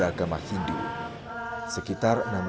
jangan lupa subscribe channel sebelas